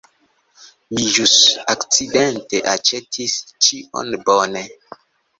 Mi ĵus akcidente aĉetis ĉion! Bone.